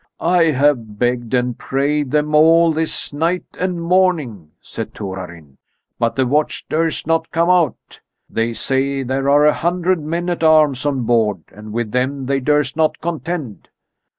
"I have begged and prayed them all this night and morning," said Torarin, "but the watch durst not come out. They say there are a hundred men at arms on board, and with them they durst not contend.